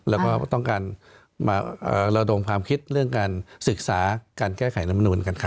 แล้วก็ต้องการมาเอ่อเราโดนความคิดเรื่องการศึกษาการแก้ไขละมนุมกันครับ